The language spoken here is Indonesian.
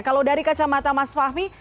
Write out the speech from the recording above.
kalau dari kacamata mas fahmi